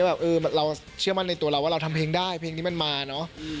แบบเออเราเชื่อมั่นในตัวเราว่าเราทำเพลงได้เพลงนี้มันมาเนอะ